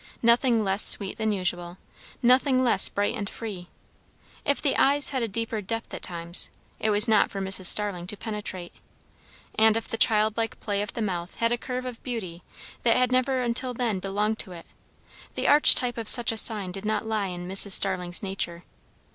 Nothing less sweet than usual; nothing less bright and free; if the eyes had a deeper depth at times, it was not for Mrs. Starling to penetrate; and if the childlike play of the mouth had a curve of beauty that had never until then belonged to it, the archetype of such a sign did not lie in Mrs. Starling's nature.